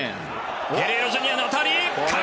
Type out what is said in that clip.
ゲレーロＪｒ．の当たり。